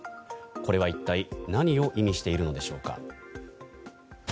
これは一体何を意味しているのでしょうか。